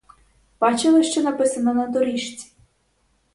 Бачили, що написано на доріжці?